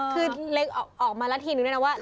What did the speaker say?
คือเล็กออกมาละทีหนึ่งแล้วนะว่า